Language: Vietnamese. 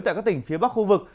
tại các tỉnh phía bắc khu vực